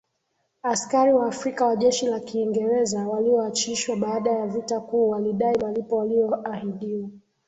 askari Waafrika wa jeshi la Kiingereza walioachishwa baada ya vita kuu walidai malipo waliyoahidiwa